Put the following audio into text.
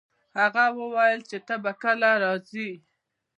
هغه وویل چي ته به کله راځي؟